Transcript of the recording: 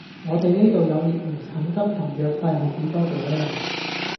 我哋呢度有列明診金同藥費係幾多嘅